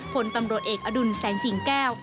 ผลตำรวจเอกอดุลแสงสิงแก้ว